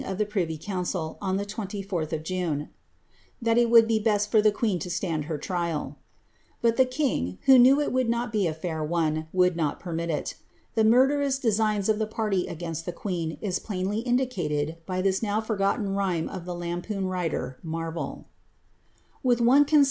of the privy council, on the 21th of June, *^ that it would bo best fi)r the queen to stand her trial,*"' hut the king, who knew it woulil not be a fair one, would not permit II The murderous dcsii^n of the party ajrainst the (|ueen is plainly indicated by tliis now forgotten rhyme of tlic lampoon writer, Marvel :—'* Wjih nm* i'i»ii>